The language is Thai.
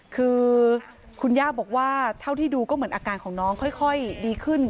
คือคุณย่าบอกว่าเท่าที่ดูก็เหมือนอาการของน้องค่อยดีขึ้น